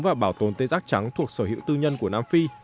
và bảo tồn tê giác trắng thuộc sở hữu tư nhân của nam phi